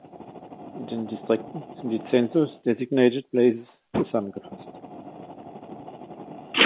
In den Distrikten sind die Census-designated places zusammengefasst.